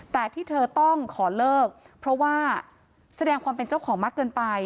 แต่ที่เธอต้องขอเลิกเพราะว่าแสดงความเป็นเจ้าของมากเกินไป